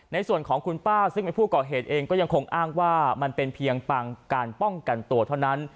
ในส่วนของคุณป้าซึ่งเป็นผู้ก่อเหตุเองก็ยังคงอ้างว่ามันเป็นเพียงปังการป้องกันตัวเท่านั้น